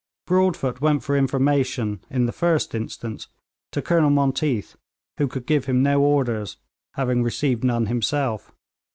Broadfoot went for information, in the first instance, to Colonel Monteath, who could give him no orders, having received none himself.